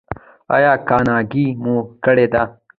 ایا کانګې مو کړي دي؟